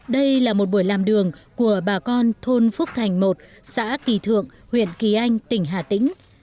đây là một buổi làm đường của bà con thôn phúc thành một xã kỳ thượng huyện kỳ anh tỉnh hà tĩnh